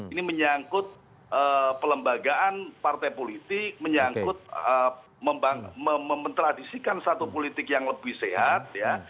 ini menyangkut pelembagaan partai politik menyangkut memetradisikan satu politik yang lebih sehat ya